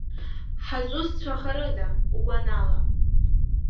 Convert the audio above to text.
Ҳазусцәахарыда угәанала?